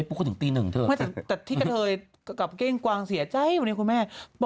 อันนี้หรอไม่ใช่อันนี้ใช่ไหม